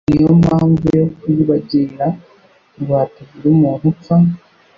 Niyo mpamvu yo kuyibagira ngo hatagira umuntu upfa